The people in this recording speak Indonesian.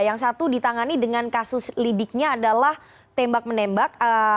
yang satu ditangani dengan kasus lidiknya adalah tembak menembak